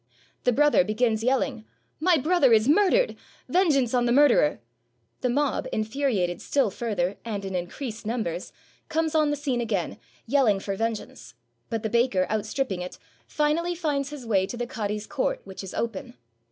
The brother begins yelling, "My brother is murdered! Vengeance on the murderer!" The mob, infuriated still further, and, in increased num bers, come on the scene again, yelling for vengeance; but the baker, outstripping it, finally finds his way to the cadi's court, which is open.